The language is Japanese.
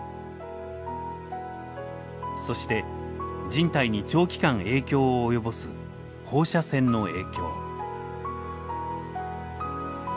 そして人体に長期間影響を及ぼす放射線の影響。